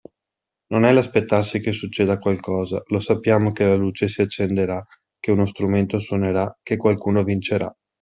Non è l’aspettarsi che succeda qualcosa, lo sappiamo che la luce si accenderà, che uno strumento suonerà , che qualcuno vincerà.